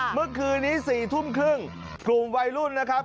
เมื่อคืนนี้๔ทุ่มครึ่งกลุ่มวัยรุ่นนะครับ